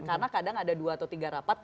karena kadang ada dua atau tiga rapat